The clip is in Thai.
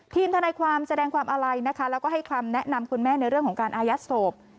ทนายความแสดงความอาลัยนะคะแล้วก็ให้คำแนะนำคุณแม่ในเรื่องของการอายัดศพ